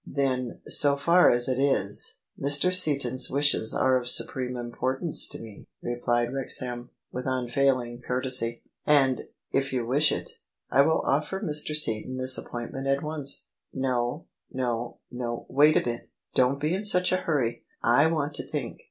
" Then, so far as it is, Mr. Seaton's wishes are of supreme importance to me," replied Wrexham, with unfailing cour tesy: "And, if you wish it, I will offer Mr. Seaton this appointment at once." " No, no, no, wait a bit; don't be in such a hurry: I want to think."